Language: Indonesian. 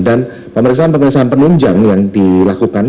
dan pemeriksaan pemeriksaan penunjang yang dilakukan